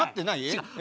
違う。